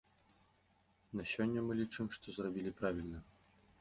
На сёння мы лічым, што зрабілі правільна.